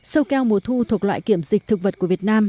sâu keo mùa thu thuộc loại kiểm dịch thực vật của việt nam